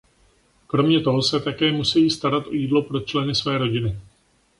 Kromě toho se také musejí starat o jídlo pro členy své rodiny.